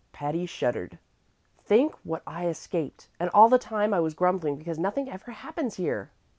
Patty shuddered. "Think what I escaped. And all the time I was grumbling because nothing ever happens here!"